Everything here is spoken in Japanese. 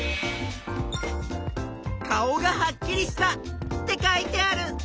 「顔がはっきりした」って書いてある！